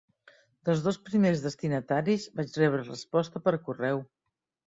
Dels dos primers destinataris vaig rebre resposta per correu.